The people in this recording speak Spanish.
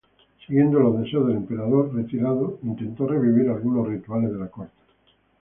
Siguiendo los deseos del emperador retirado, intentó revivir algunos rituales de la corte.